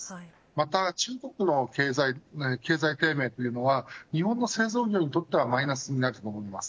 また、中国の経済低迷というのは日本の製造業にとってはマイナスになると思います。